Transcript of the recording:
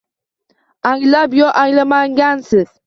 Anglab yo anglamagansiz